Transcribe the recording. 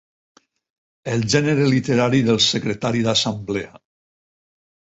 El gènere literari del secretari d'assemblea.